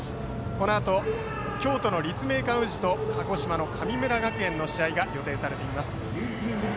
このあと、京都の立命館宇治と鹿児島の神村学園の試合が予定されています。